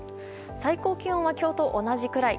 最高気温は今日と同じくらい。